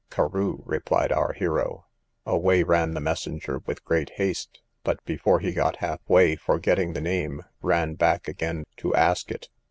Carew, replied our hero. Away ran the messenger with great haste, but before he got half way, forgetting the name ran back again to ask it.